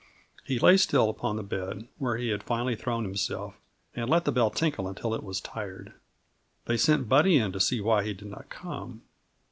He lay still upon the bed where he had finally thrown himself, and let the bell tinkle until it was tired. They sent Buddy in to see why he did not come.